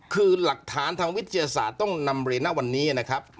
คือหลักฐานทางวิทยาศาสตร์ต้องนำเรียนนะวันนี้นะครับ